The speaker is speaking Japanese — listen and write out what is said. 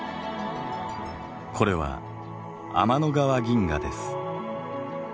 これは天の川銀河です。